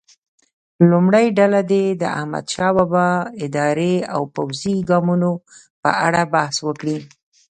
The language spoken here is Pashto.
لومړۍ ډله دې د احمدشاه بابا اداري او پوځي ګامونو په اړه بحث وکړي.